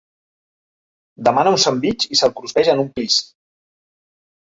Demana un sandvitx i se'l cruspeix en un plis.